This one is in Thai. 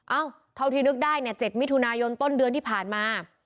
เท่าที่นึกได้เนี่ย๗มิถุนายนต้นเดือนที่ผ่านมา